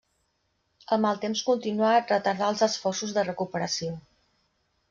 El mal temps continuat retardà els esforços de recuperació.